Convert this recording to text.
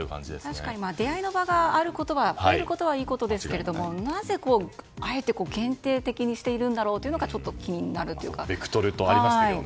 確かに出会いの場が増えることはいいことですけれどもなぜあえて限定的にしているんだろうというのがちょっと気になるというか。